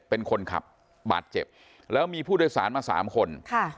เป็นคนขับบาดเจ็บแล้วมีผู้โดยสารมาสามคนค่ะ